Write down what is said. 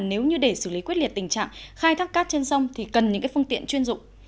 nếu như để xử lý quyết liệt tình trạng khai thác cát trên sông thì cần những phương tiện chuyên dụng